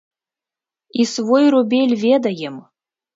І свой рубель ведаем!